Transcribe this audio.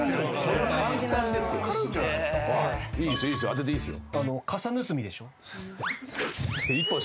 当てていいっす。